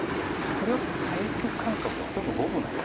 これは対局感覚ではほとんど五分なんですよね。